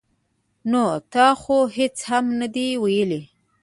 ـ نو تا خو هېڅ هم نه دي ویلي.